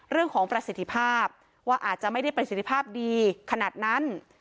ประสิทธิภาพว่าอาจจะไม่ได้ประสิทธิภาพดีขนาดนั้น